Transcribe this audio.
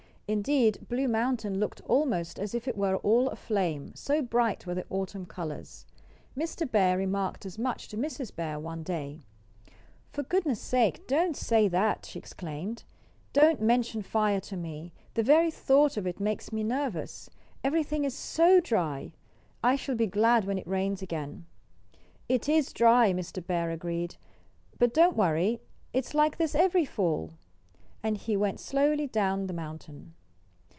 Indeed, Blue Mountain looked almost as if it were all aflame, so bright were the autumn colors. Mr. Bear remarked as much to Mrs. Bear one day. "For goodness' sake, don't say that!" she exclaimed. "Don't mention fire to me. The very thought of it makes me nervous. Everything's so dry! I shall be glad when it rains again." "It is dry," Mr. Bear agreed. "But don't worry. It's like this every fall." And he went slowly down the mountain.